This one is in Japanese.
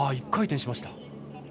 １回転しました。